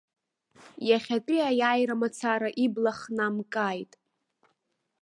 Иахьатәи аиааира мацара ибла хнамкааит.